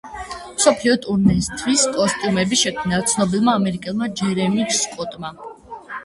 მსოფლიო ტურნესთვის კოსტიუმები შექმნა ცნობილმა ამერიკელმა ჯერემი სკოტმა.